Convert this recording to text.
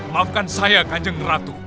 maafkan saya kajeng ratu